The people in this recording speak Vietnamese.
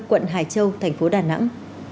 quận hải châu thành phố đà nẵng